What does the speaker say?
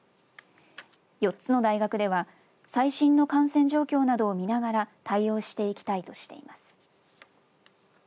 ４つの大学では最新の感染状況などを見ながら対応していきたいとしています。